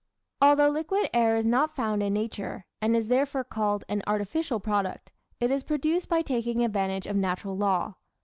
Although liquid air is not found in nature, and is therefore called an artificial product, it is produced by taking advantage of natural law.